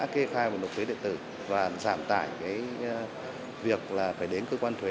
kê khai và nộp thuế điện tử và giảm tải việc là phải đến cơ quan thuế